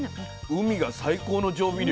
海が最高の調味料。